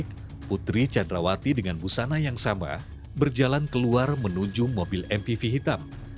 pada jam tujuh belas lima tiga puluh dua putri chandrawati dengan busana yang sama berjalan keluar menuju mobil mpv hitam